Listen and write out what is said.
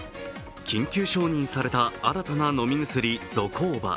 緊急承認された新たな飲み薬ゾコーバ。